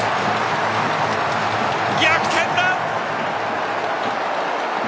逆転だ！